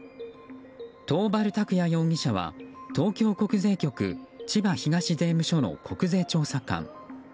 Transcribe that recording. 桃原卓也容疑者は東京国税局千葉東税務署の国税調査官。